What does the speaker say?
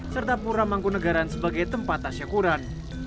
serta pura mangkunagaran sebagai tempat tasyakuran